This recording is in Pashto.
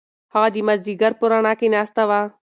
هغه د مازیګر په رڼا کې ناسته وه.